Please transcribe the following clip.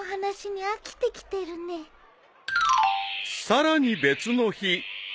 ［さらに別の日］